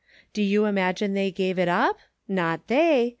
Do you imagine they gave it up ? Not they